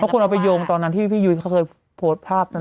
คนเอาไปโยงตอนนั้นที่พี่ยุ้ยเขาเคยโพสต์ภาพนั้น